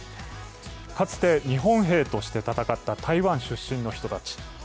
かつて日本兵として戦った台湾出身の人たち。